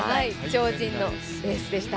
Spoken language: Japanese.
超人のレースでした。